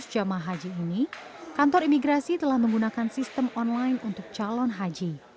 jemaah haji ini kantor imigrasi telah menggunakan sistem online untuk calon haji